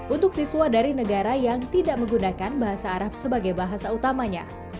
untuk siswa dari negara yang tidak menggunakan bahasa arab sebagai bahasa utamanya